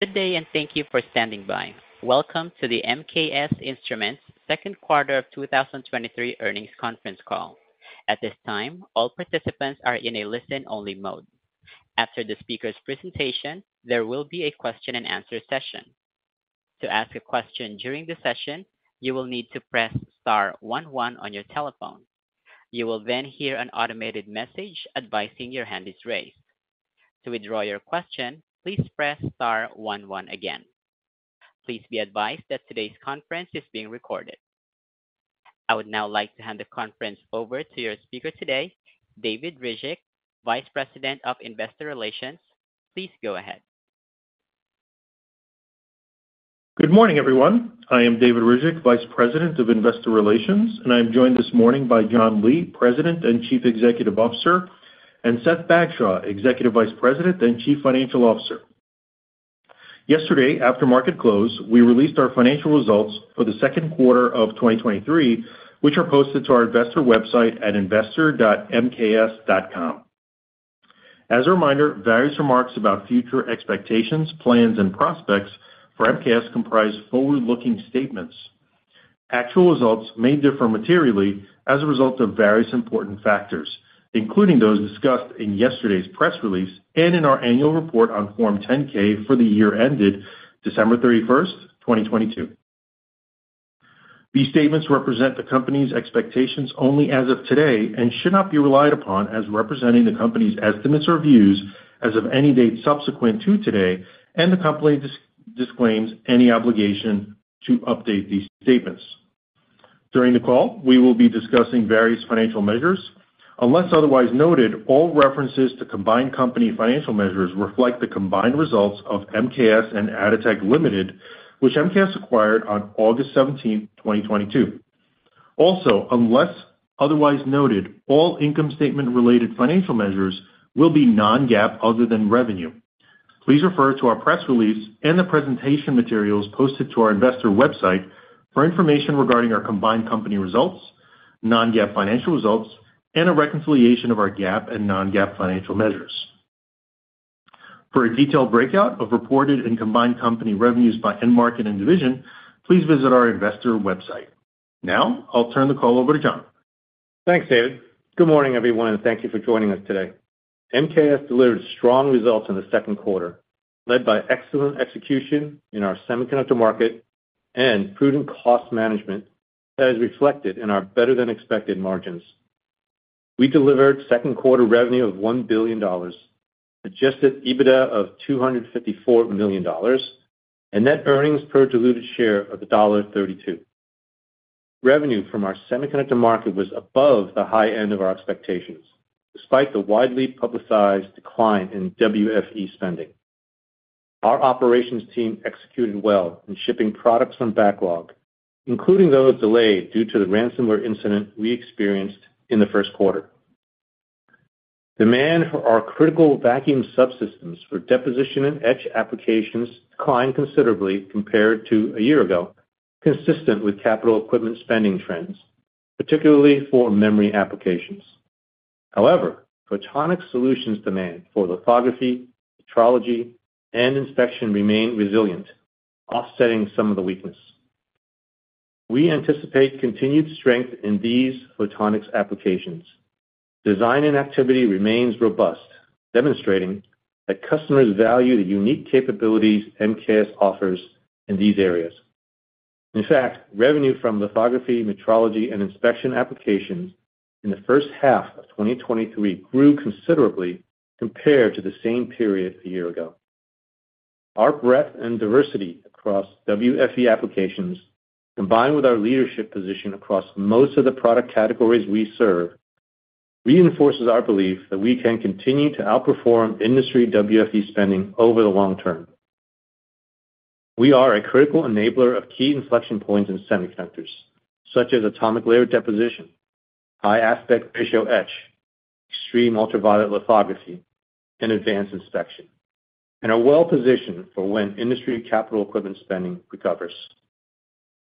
Good day, and thank you for standing by. Welcome to the MKS Instruments second quarter of 2023 earnings conference call. At this time, all participants are in a listen-only mode. After the speaker's presentation, there will be a question-and-answer session. To ask a question during the session, you will need to press star one one on your telephone. You will then hear an automated message advising your hand is raised. To withdraw your question, please press star one one again. Please be advised that today's conference is being recorded. I would now like to hand the conference over to your speaker today, David Ryzhik, Vice President of Investor Relations. Please go ahead. Good morning, everyone. I am David Ryzhik, Vice President of Investor Relations, and I'm joined this morning by John Lee, President and Chief Executive Officer, and Seth Bagshaw, Executive Vice President and Chief Financial Officer. Yesterday, after market close, we released our financial results for the second quarter of 2023, which are posted to our investor website at investor.mks.com. As a reminder, various remarks about future expectations, plans, and prospects for MKS comprise forward-looking statements. Actual results may differ materially as a result of various important factors, including those discussed in yesterday's press release and in our annual report on Form 10-K for the year ended December 31st, 2022. These statements represent the company's expectations only as of today and should not be relied upon as representing the company's estimates or views as of any date subsequent to today. The company disclaims any obligation to update these statements. During the call, we will be discussing various financial measures. Unless otherwise noted, all references to combined company financial measures reflect the combined results of MKS and Atotech Limited, which MKS acquired on August 17th, 2022. Unless otherwise noted, all income statement-related financial measures will be non-GAAP other than revenue. Please refer to our press release and the presentation materials posted to our investor website for information regarding our combined company results, non-GAAP financial results, and a reconciliation of our GAAP and non-GAAP financial measures. For a detailed breakout of reported and combined company revenues by end market and division, please visit our investor website. Now, I'll turn the call over to John. Thanks, David. Good morning, everyone, and thank you for joining us today. MKS delivered strong results in the second quarter, led by excellent execution in our semiconductor market and prudent cost management that is reflected in our better-than-expected margins. We delivered second quarter revenue of $1 billion, adjusted EBITDA of $254 million, and net earnings per diluted share of $1.32. Revenue from our semiconductor market was above the high end of our expectations, despite the widely publicized decline in WFE spending. Our operations team executed well in shipping products from backlog, including those delayed due to the ransomware incident we experienced in the first quarter. Demand for our critical vacuum subsystems for deposition and etch applications declined considerably compared to a year ago, consistent with capital equipment spending trends, particularly for memory applications. However, photonics solutions demand for lithography, metrology, and inspection remained resilient, offsetting some of the weakness. We anticipate continued strength in these photonics applications. Design and activity remains robust, demonstrating that customers value the unique capabilities MKS offers in these areas. In fact, revenue from lithography, metrology, and inspection applications in the first half of 2023 grew considerably compared to the same period a year ago. Our breadth and diversity across WFE applications, combined with our leadership position across most of the product categories we serve, reinforces our belief that we can continue to outperform industry WFE spending over the long term. We are a critical enabler of key inflection points in semiconductors, such as atomic layer deposition, high aspect ratio etch, extreme ultraviolet lithography, and advanced inspection, and are well positioned for when industry capital equipment spending recovers.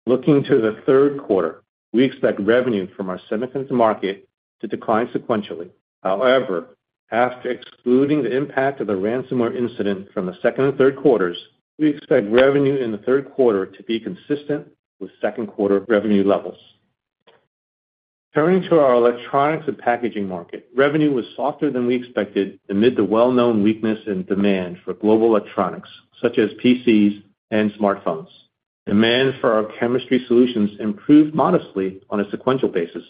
Looking to the 3rd quarter, we expect revenue from our semiconductor market to decline sequentially. However, after excluding the impact of the ransomware incident from the 2nd and 3rd quarters, we expect revenue in the 3rd quarter to be consistent with 2nd quarter revenue levels. Turning to our electronics and packaging market, revenue was softer than we expected amid the well-known weakness in demand for global electronics, such as PCs and smartphones. Demand for our chemistry solutions improved modestly on a sequential basis,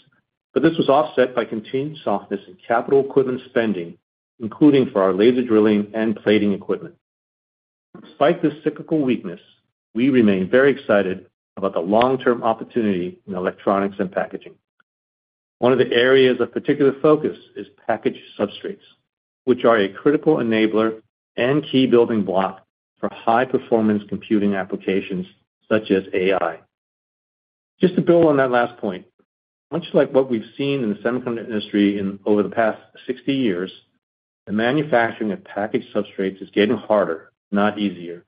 but this was offset by continued softness in capital equipment spending, including for our laser drilling and plating equipment. Despite this cyclical weakness, we remain very excited about the long-term opportunity in electronics and packaging. One of the areas of particular focus is package substrates, which are a critical enabler and key building block for high-performance computing applications such as AI. Just to build on that last point, much like what we've seen in the semiconductor industry in over the past 60 years, the manufacturing of package substrates is getting harder, not easier.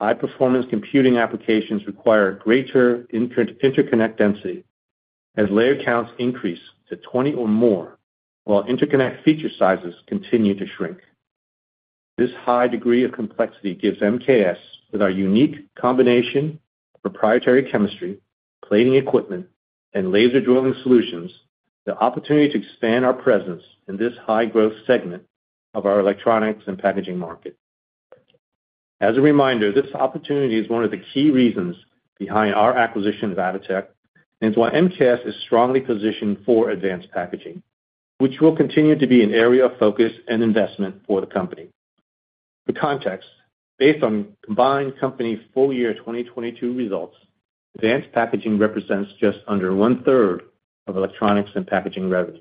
High-performance computing applications require greater interconnect density. as layer counts increase to 20 or more, while interconnect feature sizes continue to shrink. This high degree of complexity gives MKS, with our unique combination of proprietary chemistry, plating equipment, and laser drilling solutions, the opportunity to expand our presence in this high-growth segment of our electronics and packaging market. As a reminder, this opportunity is one of the key reasons behind our acquisition of Atotech, and it's why MKS is strongly positioned for advanced packaging, which will continue to be an area of focus and investment for the company. For context, based on combined company full year 2022 results, advanced packaging represents just under one-third of electronics and packaging revenue.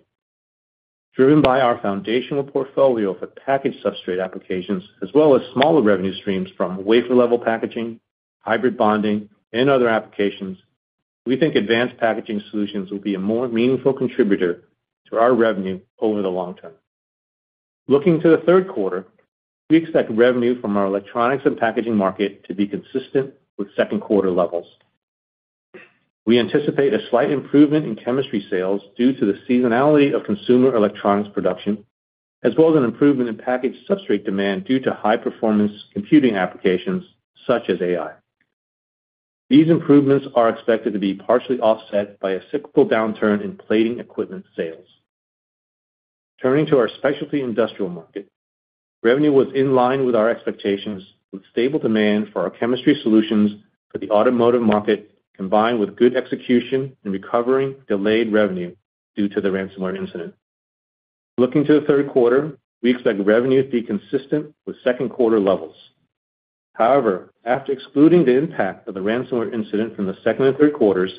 Driven by our foundational portfolio for package substrate applications, as well as smaller revenue streams from wafer-level packaging, hybrid bonding, and other applications, we think advanced packaging solutions will be a more meaningful contributor to our revenue over the long term. Looking to the third quarter, we expect revenue from our electronics and packaging market to be consistent with second quarter levels. We anticipate a slight improvement in chemistry sales due to the seasonality of consumer electronics production, as well as an improvement in packaged substrate demand due to high performance computing applications such as AI. These improvements are expected to be partially offset by a cyclical downturn in plating equipment sales. Turning to our specialty industrial market, revenue was in line with our expectations, with stable demand for our chemistry solutions for the automotive market, combined with good execution and recovering delayed revenue due to the ransomware incident. Looking to the 3rd quarter, we expect revenue to be consistent with 2nd quarter levels. However, after excluding the impact of the ransomware incident from the 2nd and 3rd quarters,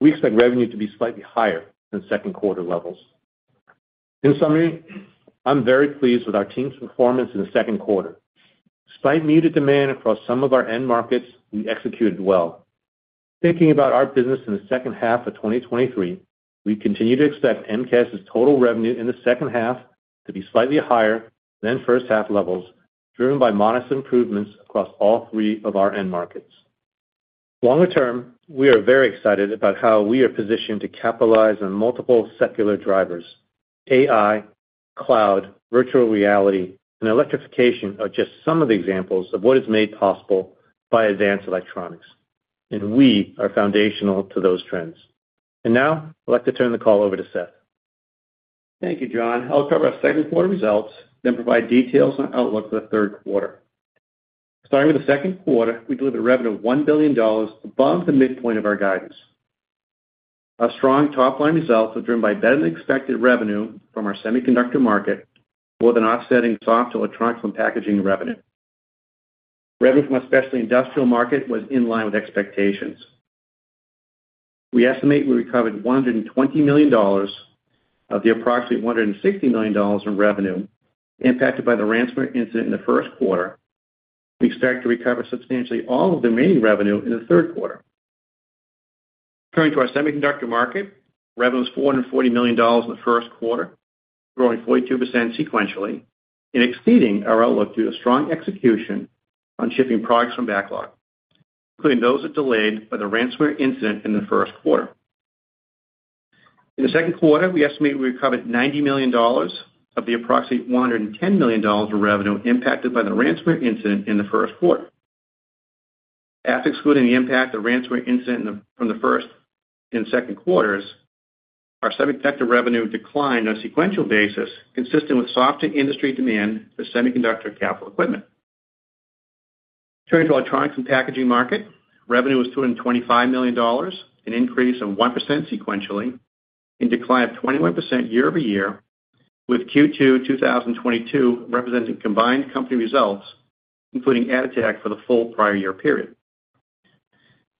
we expect revenue to be slightly higher than 2nd quarter levels. In summary, I'm very pleased with our team's performance in the 2nd quarter. Despite muted demand across some of our end markets, we executed well. Thinking about our business in the 2nd half of 2023, we continue to expect MKS's total revenue in the 2nd half to be slightly higher than 1st half levels, driven by modest improvements across all three of our end markets. Longer term, we are very excited about how we are positioned to capitalize on multiple secular drivers. AI, cloud, virtual reality, and electrification are just some of the examples of what is made possible by advanced electronics, and we are foundational to those trends. Now, I'd like to turn the call over to Seth. Thank you, John. I'll cover our second quarter results, then provide details on outlook for the third quarter. Starting with the second quarter, we delivered a revenue of $1 billion, above the midpoint of our guidance. Our strong top-line results were driven by better-than-expected revenue from our semiconductor market, more than offsetting soft electronics and packaging revenue. Revenue from our specialty industrial market was in line with expectations. We estimate we recovered $120 million of the approximately $160 million in revenue impacted by the ransomware incident in the first quarter. We expect to recover substantially all of the remaining revenue in the third quarter. Turning to our semiconductor market, revenue was $440 million in the first quarter, growing 42 sequentially and exceeding our outlook due to strong execution on shipping products from backlog, including those that delayed by the ransomware incident in the first quarter. In the second quarter, we estimate we recovered $90 million of the approximately $110 million in revenue impacted by the ransomware incident in the first quarter. After excluding the impact of the ransomware incident from the first and second quarters, our semiconductor revenue declined on a sequential basis, consistent with softer industry demand for semiconductor capital equipment. Turning to Electronics and Packaging market, revenue was $225 million, an increase of 1% sequentially, and declined 21% year-over-year, with Q2 2022 representing combined company results, including Atotech for the full prior year period.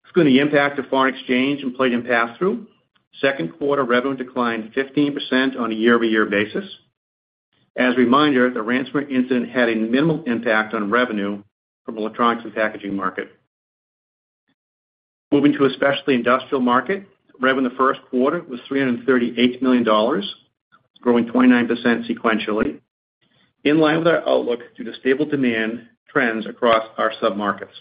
Excluding the impact of foreign exchange and plating pass-through, second quarter revenue declined 15% on a year-over-year basis. As a reminder, the ransomware incident had a minimal impact on revenue from Electronics and Packaging market. Moving to our Specialty Industrial market, rev in the first quarter was $338 million, growing 29% sequentially, in line with our outlook due to stable demand trends across our submarkets.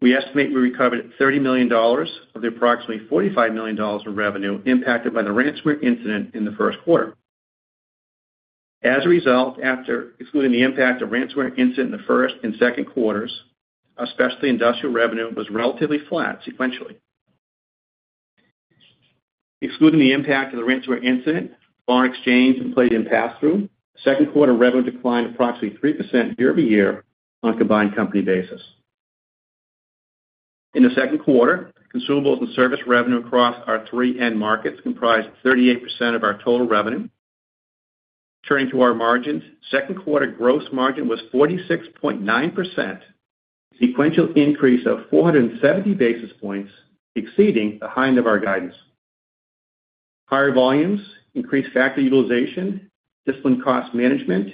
We estimate we recovered $30 million of the approximately $45 million in revenue impacted by the ransomware incident in the first quarter. As a result, after excluding the impact of ransomware incident in the first and second quarters, our specialty industrial revenue was relatively flat sequentially. Excluding the impact of the ransomware incident, foreign exchange, and plating pass-through, second quarter revenue declined approximately 3% year-over-year on a combined company basis. In the second quarter, consumables and service revenue across our three end markets comprised 38% of our total revenue. Turning to our margins, second quarter gross margin was 46.9%, sequential increase of 470 basis points, exceeding the high end of our guidance. Higher volumes, increased factory utilization, disciplined cost management,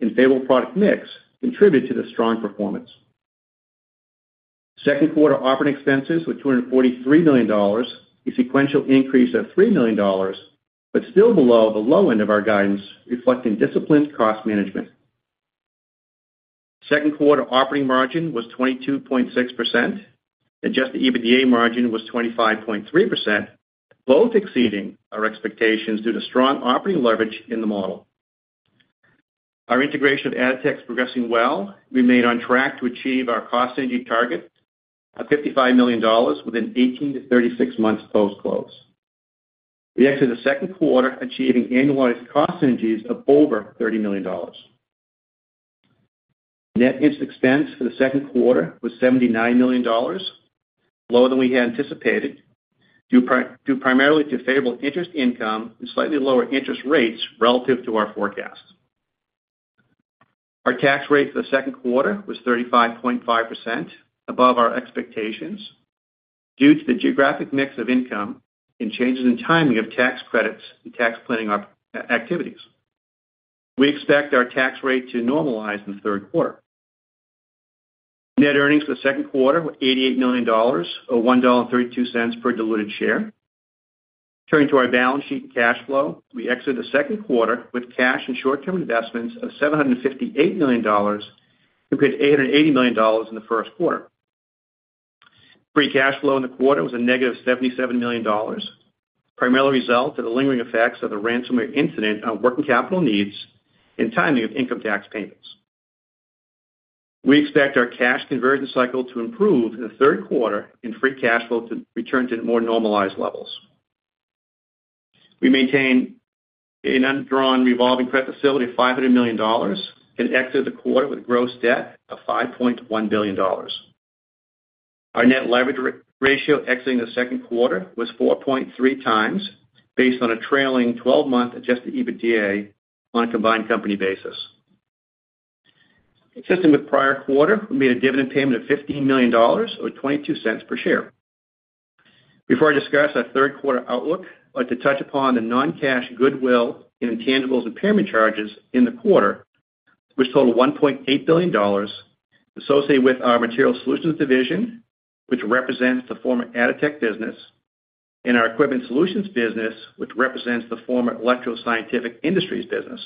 and stable product mix contributed to the strong performance. Second quarter operating expenses was $243 million, a sequential increase of $3 million, but still below the low end of our guidance, reflecting disciplined cost management. Second quarter operating margin was 22.6%, adjusted EBITDA margin was 25.3%, both exceeding our expectations due to strong operating leverage in the model. Our integration of Atotech is progressing well. We made on track to achieve our cost synergy target of $55 million within 18-36 months post-close. We exited the second quarter, achieving annualized cost synergies of over $30 million. Net interest expense for the second quarter was $79 million, lower than we had anticipated, due primarily to favorable interest income and slightly lower interest rates relative to our forecast. Our tax rate for the second quarter was 35.5%, above our expectations, due to the geographic mix of income and changes in timing of tax credits and tax planning activities. We expect our tax rate to normalize in the third quarter. Net earnings for the second quarter were $88 million, or $1.32 per diluted share. Turning to our balance sheet and cash flow, we exited the second quarter with cash and short-term investments of $758 million, compared to $880 million in the first quarter. Free cash flow in the quarter was a -$77 million, primarily a result of the lingering effects of the ransomware incident on working capital needs and timing of income tax payments. We expect our cash conversion cycle to improve in the third quarter and free cash flow to return to more normalized levels. We maintain an undrawn revolving credit facility of $500 million and exited the quarter with gross debt of $5.1 billion. Our net leverage ratio exiting the second quarter was 4.3 times, based on a trailing twelve-month adjusted EBITDA on a combined company basis. Consistent with the prior quarter, we made a dividend payment of $15 million, or $0.22 per share. Before I discuss our third quarter outlook, I'd like to touch upon the non-cash goodwill and intangibles impairment charges in the quarter, which totaled $1.8 billion, associated with our Materials Solutions division, which represents the former Atotech business, and our Equipment Solutions business, which represents the former Electro Scientific Industries business.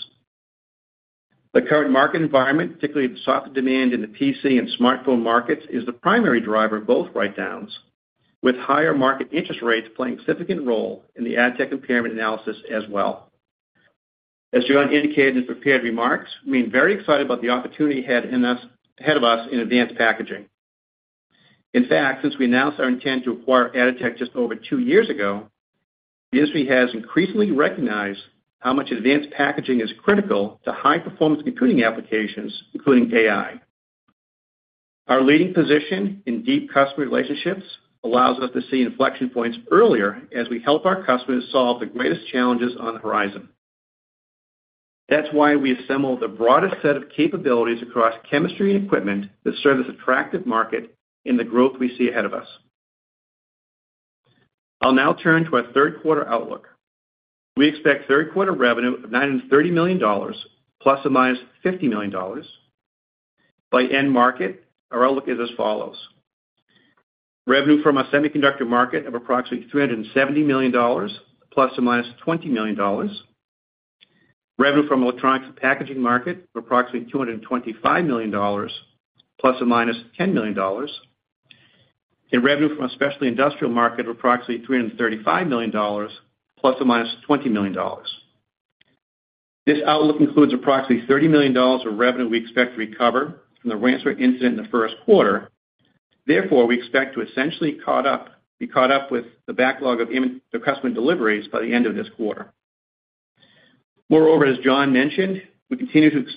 The current market environment, particularly the softer demand in the PC and smartphone markets, is the primary driver of both write-downs, with higher market interest rates playing a significant role in the Atotech impairment analysis as well. As John indicated in his prepared remarks, we're very excited about the opportunity ahead of us in advanced packaging. In fact, since we announced our intent to acquire Atotech just over two years ago, the industry has increasingly recognized how much advanced packaging is critical to high-performance computing applications, including AI. Our leading position in deep customer relationships allows us to see inflection points earlier as we help our customers solve the greatest challenges on the horizon. That's why we assembled the broadest set of capabilities across chemistry and equipment that serve this attractive market in the growth we see ahead of us. I'll now turn to our third quarter outlook. We expect third quarter revenue of $930 million, ±$50 million. By end market, our outlook is as follows: Revenue from our semiconductor market of approximately $370 million, ±$20 million. Revenue from electronics and packaging market of approximately $225 million, ±$10 million. Revenue from our specialty industrial market of approximately $335 million, ±$20 million. This outlook includes approximately $30 million of revenue we expect to recover from the ransomware incident in the first quarter. Therefore, we expect to essentially be caught up with the backlog of the customer deliveries by the end of this quarter. Moreover, as John mentioned, we continue to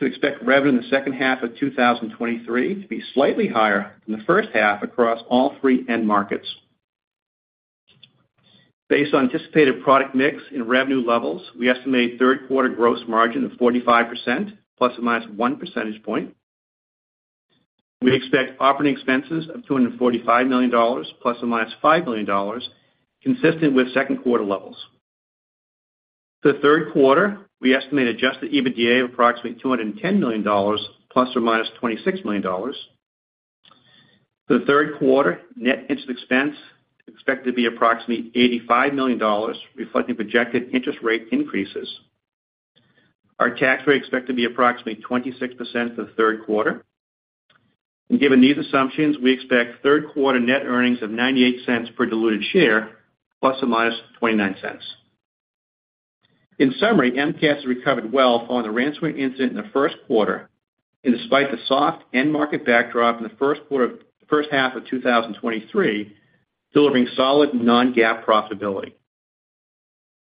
expect revenue in the second half of 2023 to be slightly higher than the first half across all three end markets. Based on anticipated product mix and revenue levels, we estimate third quarter gross margin of 45%, ±1 percentage point. We expect operating expenses of $245 million, ±$5 million, consistent with second quarter levels. For the third quarter, we estimate adjusted EBITDA of approximately $210 million, ±$26 million. For the third quarter, net interest expense is expected to be approximately $85 million, reflecting projected interest rate increases. Our tax rate is expected to be approximately 26% for the third quarter. Given these assumptions, we expect third quarter net earnings of $0.98 per diluted share, ±$0.29. In summary, MKS recovered well following the ransomware incident in the first quarter and despite the soft end market backdrop in the first half of 2023, delivering solid non-GAAP profitability.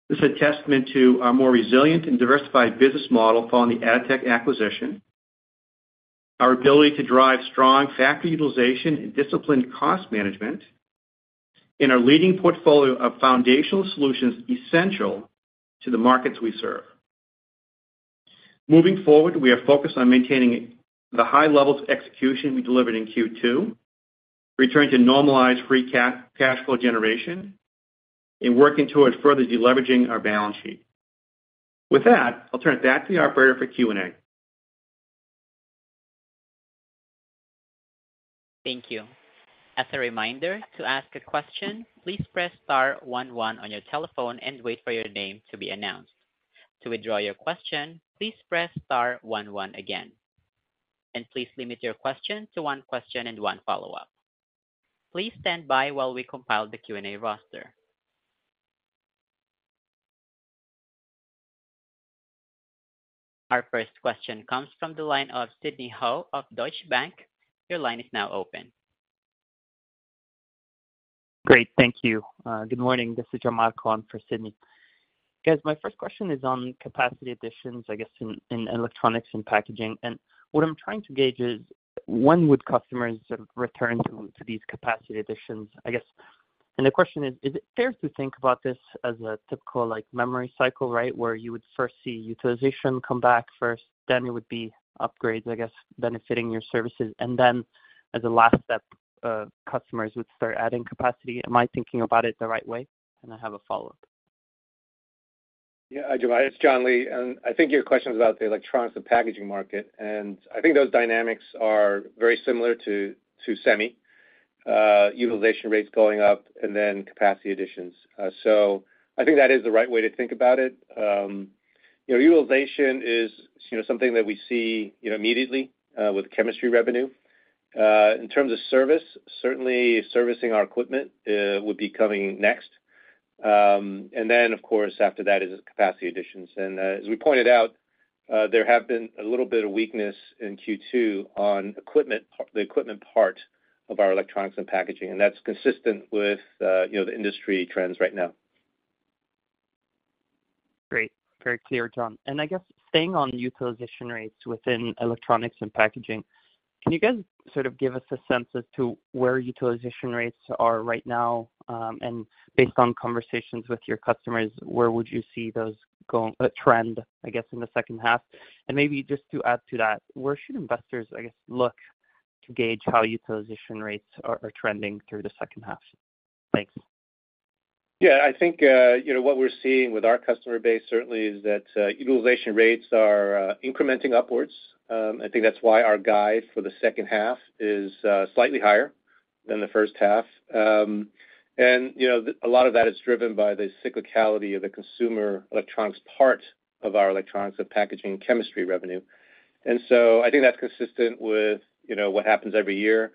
This is a testament to our more resilient and diversified business model following the Atotech acquisition, our ability to drive strong factory utilization and disciplined cost management, and our leading portfolio of foundational solutions essential to the markets we serve. Moving forward, we are focused on maintaining the high levels of execution we delivered in Q2, returning to normalized free cash flow generation, and working towards further deleveraging our balance sheet. With that, I'll turn it back to the operator for Q&A. Thank you. As a reminder, to ask a question, please press star one one on your telephone and wait for your name to be announced. To withdraw your question, please press star one one again, and please limit your question to one question and one follow-up. Please stand by while we compile the Q&A roster. Our first question comes from the line of Sidney Ho of Deutsche Bank. Your line is now open. Great, thank you. Good morning. This is Jamal calling for Sidney. Guys, my first question is on capacity additions, I guess, in, in electronics and packaging. What I'm trying to gauge is when would customers return to, to these capacity additions, I guess. The question is: is it fair to think about this as a typical, like, memory cycle, right? Where you would first see utilization come back first, then it would be upgrades, I guess, benefiting your services, and then as a last step, customers would start adding capacity. Am I thinking about it the right way? I have a follow-up. Yeah, hi, Jamal. It's John Lee. I think your question is about the electronics and packaging market, and I think those dynamics are very similar to, to semi, utilization rates going up and then capacity additions. I think that is the right way to think about it. You know, utilization is, you know, something that we see, you know, immediately with chemistry revenue. In terms of service, certainly servicing our equipment would be coming next. Then, of course, after that is capacity additions. As we pointed out, there have been a little bit of weakness in Q2 on equipment, the equipment part of our electronics and packaging, and that's consistent with, you know, the industry trends right now. Great, very clear, John. I guess staying on utilization rates within electronics and packaging, can you guys sort of give us a sense as to where utilization rates are right now? Based on conversations with your customers, where would you see those go, trend, I guess, in the second half? Maybe just to add to that, where should investors, I guess, look to gauge how utilization rates are, are trending through the second half? Thanks. Yeah, I think, you know, what we're seeing with our customer base certainly is that utilization rates are incrementing upwards. I think that's why our guide for the second half is slightly higher than the first half. You know, a lot of that is driven by the cyclicality of the consumer electronics part of our electronics and packaging chemistry revenue. I think that's consistent with, you know, what happens every year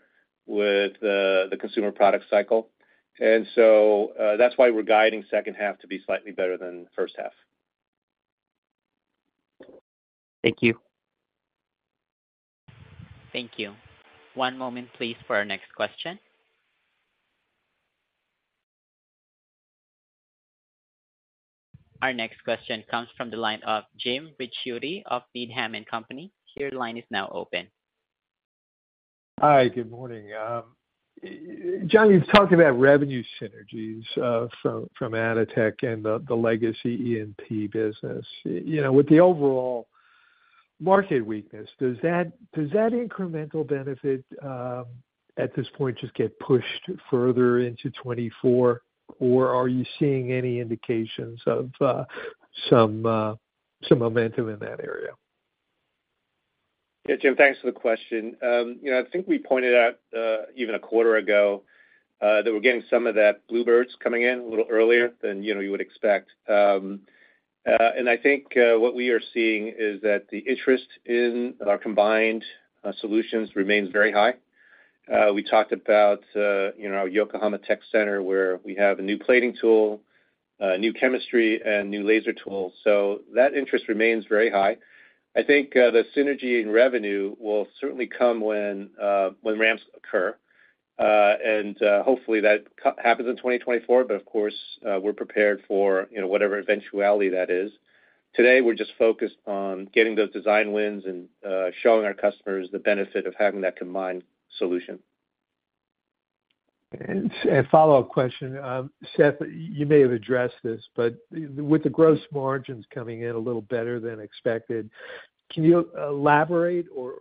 with the consumer product cycle. That's why we're guiding second half to be slightly better than the first half. Thank you. Thank you. One moment, please, for our next question. Our next question comes from the line of Jim Ricchiuti of Needham & Company. Your line is now open. Hi, good morning. John, you've talked about revenue synergies from, from Atotech and the, the legacy E&P business. You know, with the overall market weakness, does that, does that incremental benefit at this point, just get pushed further into 2024, or are you seeing any indications of some momentum in that area? Yeah, Jim, thanks for the question. You know, I think we pointed out even a quarter ago that we're getting some of that bluebirds coming in a little earlier than, you know, you would expect. I think what we are seeing is that the interest in our combined solutions remains very high. We talked about, you know, our Yokohama Tech Center, where we have a new plating tool, new chemistry, and new laser tools. That interest remains very high. I think the synergy in revenue will certainly come when ramps occur and hopefully, that happens in 2024, but of course, we're prepared for, you know, whatever eventuality that is. Today, we're just focused on getting those design wins and showing our customers the benefit of having that combined solution. A follow-up question. Seth, you may have addressed this, but with the gross margins coming in a little better than expected, can you elaborate or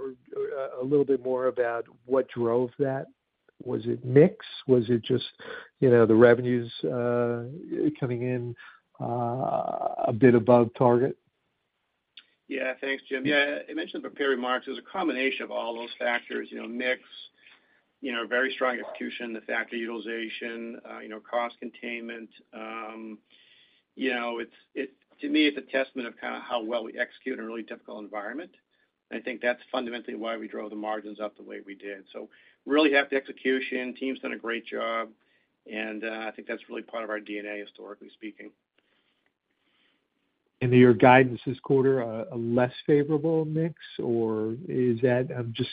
a little bit more about what drove that? Was it mix? Was it just, you know, the revenues coming in a bit above target? Yeah. Thanks, Jim. Yeah, I mentioned the prepared remarks. It was a combination of all those factors, you know, mix, you know, very strong execution, the factory utilization, you know, cost containment. You know, to me, it's a testament of kind of how well we execute in a really difficult environment. I think that's fundamentally why we drove the margins up the way we did. Really happy execution. Team's done a great job, and I think that's really part of our DNA, historically speaking. Your guidance this quarter, a less favorable mix, or is that... I'm just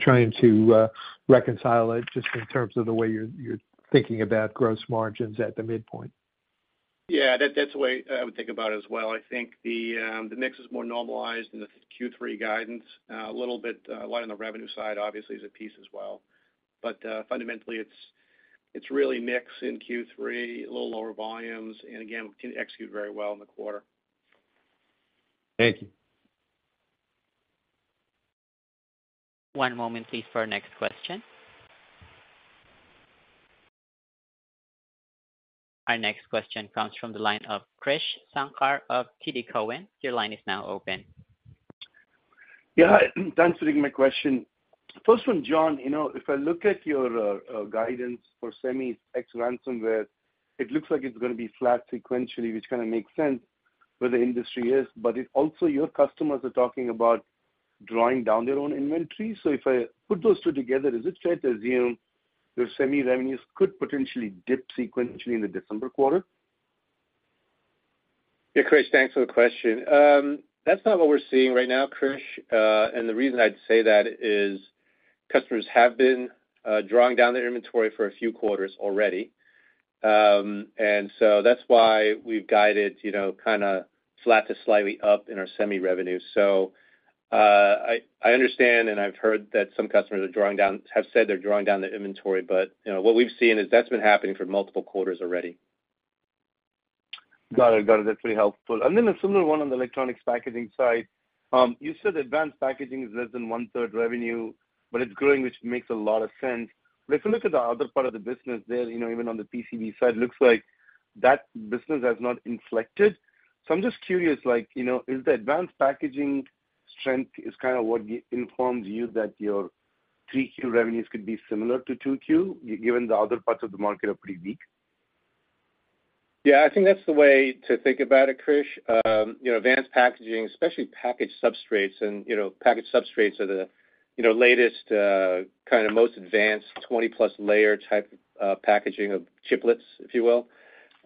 trying to reconcile it just in terms of the way you're, you're thinking about gross margins at the midpoint? Yeah, that's the way I would think about it as well. I think the mix is more normalized in the Q3 guidance. A little bit light on the revenue side, obviously, is a piece as well. Fundamentally, it's, it's really mix in Q3, a little lower volumes, and again, we can execute very well in the quarter. Thank you. One moment, please, for our next question. Our next question comes from the line of Krish Sankar of TD Cowen. Your line is now open. Yeah, thanks for taking my question. First one, John, you know, if I look at your guidance for semi ex-ransomware, it looks like it's gonna be flat sequentially, which kind of makes sense where the industry is, but it also, your customers are talking about drawing down their own inventory. If I put those two together, is it fair to assume your semi revenues could potentially dip sequentially in the December quarter? Yeah, Krish, thanks for the question. That's not what we're seeing right now, Krish. The reason I'd say that is customers have been drawing down their inventory for a few quarters already. That's why we've guided, you know, kind of flat to slightly up in our semi revenues. I, I understand, and I've heard that some customers are drawing down-- have said they're drawing down their inventory, but, you know, what we've seen is that's been happening for multiple quarters already. Got it. Got it. That's very helpful. A similar one on the electronics packaging side. You said advanced packaging is less than 1/3 revenue, but it's growing, which makes a lot of sense. If you look at the other part of the business there, even on the PCB side, looks like that business has not inflected. I'm just curious, is the advanced packaging strength is kind of what informs you that your 3Q revenues could be similar to 2Q, given the other parts of the market are pretty weak? Yeah, I think that's the way to think about it, Krish. You know, advanced packaging, especially package substrates and, you know, package substrates are the, you know, latest kind of most advanced 20-plus layer type packaging of chiplets, if you will.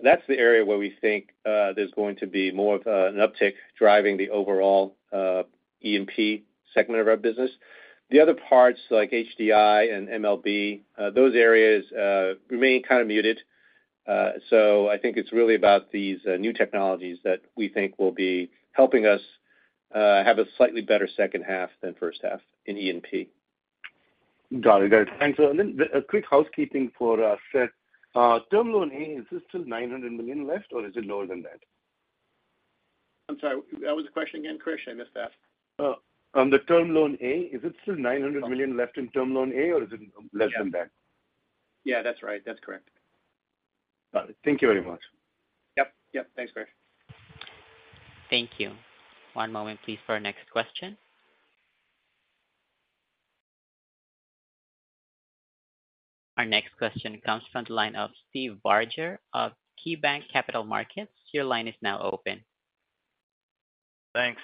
That's the area where we think there's going to be more of an uptick driving the overall EMP segment of our business. The other parts, like HDI and MLB, those areas remain kind of muted. I think it's really about these new technologies that we think will be helping us have a slightly better second half than first half in EMP. Got it. Got it. Thanks. Then a quick housekeeping for Seth. Term Loan A, is this still $900 million left or is it lower than that? I'm sorry, what was the question again, Krish? I missed that. On the Term Loan A, is it still $900 million left in Term Loan A, or is it less than that? Yeah, that's right. That's correct. Got it. Thank you very much. Yep. Yep. Thanks, Krish. Thank you. One moment, please, for our next question. Our next question comes from the line of Steve Barger of KeyBanc Capital Markets. Your line is now open. Thanks.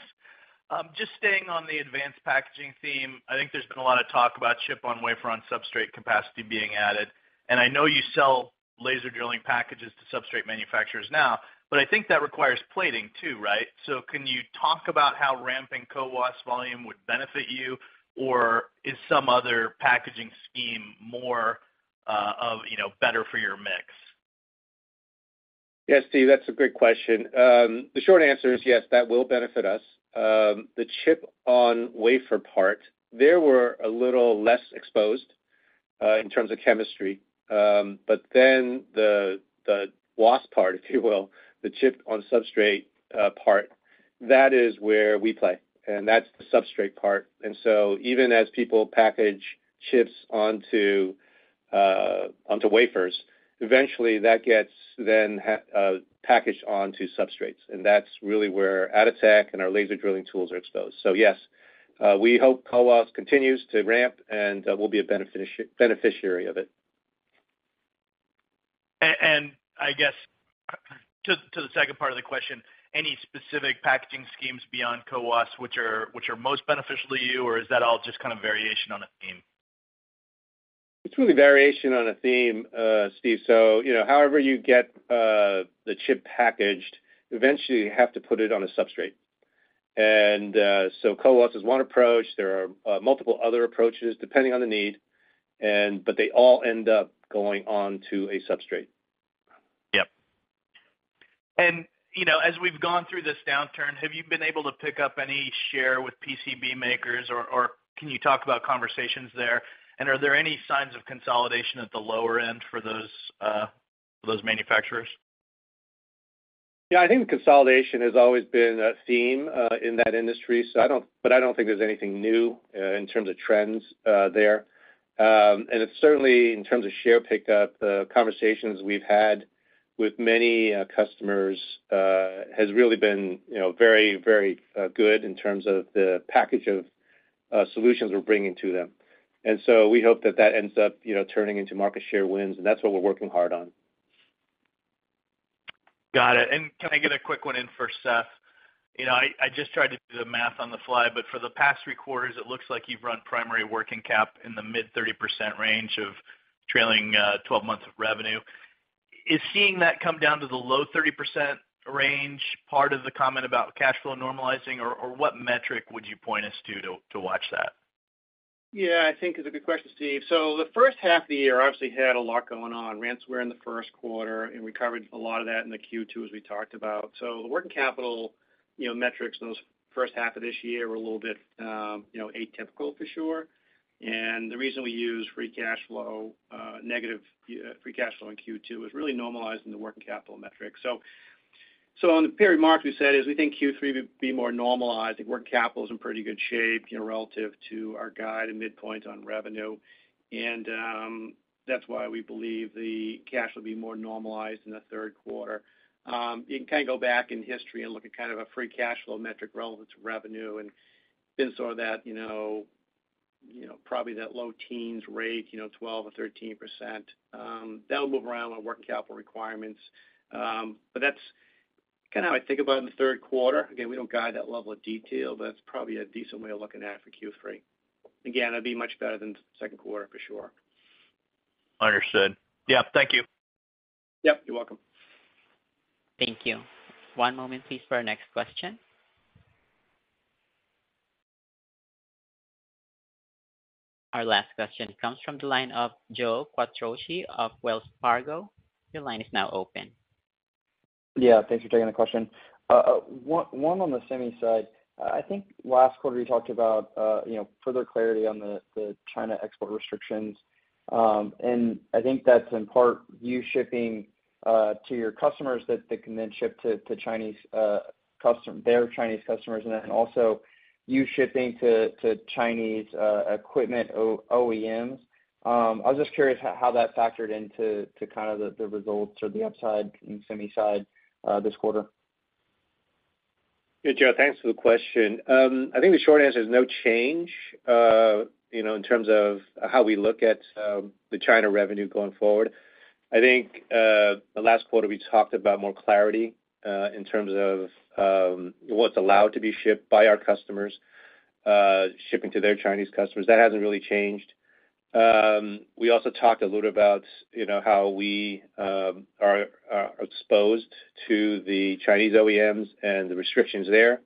Just staying on the advanced packaging theme, I think there's been a lot of talk about Chip-on-Wafer-on-Substrate capacity being added. I know you sell laser drilling packages to substrate manufacturers now. I think that requires plating too, right? Can you talk about how ramping CoWoS volume would benefit you, or is some other packaging scheme more, of, you know, better for your mix? Yeah, Steve, that's a great question. The short answer is yes, that will benefit us. Then the WoS part, if you will, the chip-on-substrate part, that is where we play, and that's the substrate part. So even as people package chips onto, onto wafers, eventually that gets then packaged onto substrates, and that's really where Atotech and our laser drilling tools are exposed. Yes, we hope CoWoS continues to ramp, and, we'll be a beneficiary of it. I guess, to, to the second part of the question, any specific packaging schemes beyond CoWoS, which are, which are most beneficial to you, or is that all just kind of variation on a theme? It's really variation on a theme, Steve. You know, however you get the chip packaged, eventually you have to put it on a substrate. CoWoS is one approach. There are multiple other approaches, depending on the need, and but they all end up going on to a substrate. Yep. You know, as we've gone through this downturn, have you been able to pick up any share with PCB makers, or, or can you talk about conversations there? Are there any signs of consolidation at the lower end for those, for those manufacturers? Yeah, I think consolidation has always been a theme in that industry, so but I don't think there's anything new in terms of trends there. It's certainly in terms of share pick up, conversations we've had with many customers, has really been, you know, very, very good in terms of the package of solutions we're bringing to them. So we hope that that ends up, you know, turning into market share wins, and that's what we're working hard on. Got it. Can I get a quick one in for Seth? You know, I, I just tried to do the math on the fly, but for the past three quarters, it looks like you've run primary working cap in the mid-30% range of trailing 12 months of revenue. Is seeing that come down to the low 30% range, part of the comment about cash flow normalizing, or, or what metric would you point us to, to, to watch that? Yeah, I think it's a good question, Steve. The first half of the year, obviously, had a lot going on. Ransomware in the first quarter, and we covered a lot of that in the Q2, as we talked about. The working capital, you know, metrics in those first half of this year were a little bit, you know, atypical for sure. And the reason we use free cash flow, negative free cash flow in Q2 is really normalizing the working capital metric. On the period marks, we said is we think Q3 would be more normalized. I think working capital is in pretty good shape, you know, relative to our guide and midpoint on revenue. And, that's why we believe the cash will be more normalized in the third quarter. You can kind of go back in history and look at kind of a free cash flow metric relevant to revenue, and been sort of that, you know, you know, probably that low teens rate, you know, 12% or 13%. That'll move around on working capital requirements. That's kinda how I think about it in the third quarter. Again, we don't guide that level of detail, but that's probably a decent way of looking at it for Q3. Again, it'll be much better than the second quarter, for sure. Understood. Yeah, thank you. Yep, you're welcome. Thank you. One moment please, for our next question. Our last question comes from the line of Joe Quatrochi of Wells Fargo. Your line is now open. Yeah, thanks for taking the question. one, one on the semi side. I think last quarter you talked about, you know, further clarity on the, the China export restrictions. I think that's in part you shipping to your customers, that they can then ship to Chinese custom- their Chinese customers, and then also you shipping to Chinese equipment OEMs. I was just curious how that factored into kind of the results or the upside in semi side this quarter. Yeah, Joe, thanks for the question. I think the short answer is no change, you know, in terms of how we look at the China revenue going forward. I think the last quarter we talked about more clarity in terms of what's allowed to be shipped by our customers, shipping to their Chinese customers. That hasn't really changed. We also talked a little about, you know, how we are exposed to the Chinese OEMs and the restrictions there,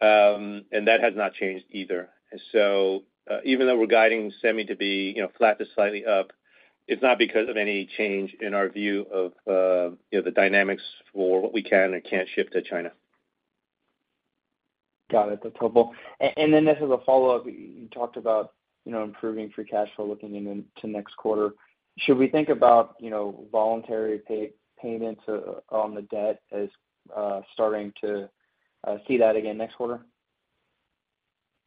and that has not changed either. Even though we're guiding semi to be, you know, flat to slightly up, it's not because of any change in our view of, you know, the dynamics for what we can and can't ship to China. Got it. That's helpful. Then just as a follow-up, you talked about, you know, improving free cash flow looking into next quarter. Should we think about, you know, voluntary payments on the debt as starting to see that again next quarter?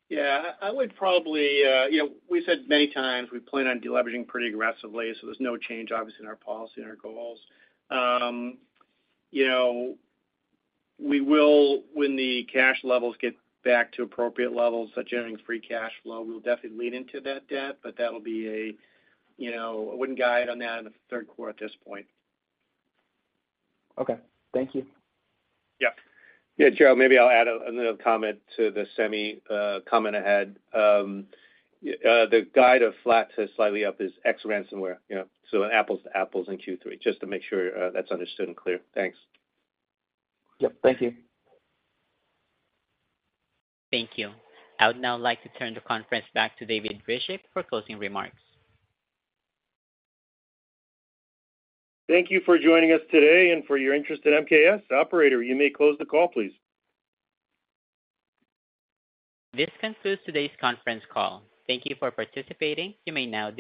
Yeah, I, I would probably... You know, we've said many times, we plan on deleveraging pretty aggressively. There's no change, obviously, in our policy and our goals. You know, we will, when the cash levels get back to appropriate levels, such as generating free cash flow, we'll definitely lean into that debt. That will be a, you know, I wouldn't guide on that in the third quarter at this point. Okay. Thank you. Yeah. Yeah, Joe, maybe I'll add another comment to the semi comment I had. The guide of flat to slightly up is ex ransomware, you know, so apples to apples in Q3, just to make sure that's understood and clear. Thanks. Yep, thank you. Thank you. I would now like to turn the conference back to David Ryzhik for closing remarks. Thank you for joining us today and for your interest in MKS. Operator, you may close the call, please. This concludes today's conference call. Thank you for participating. You may now disconnect.